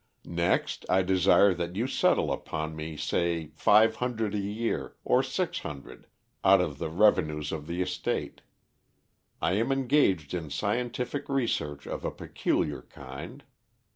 Next I desire that you settle upon me say five hundred a year or six hundred out of the revenues of the estate. I am engaged in scientific research of a peculiar kind.